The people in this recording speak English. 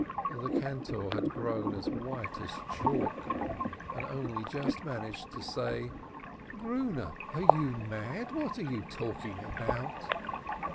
The cantor had grown as white as chalk, and only just managed to say: LOST HIS VOICE 407 "Grime, are you mad ? What are you talking about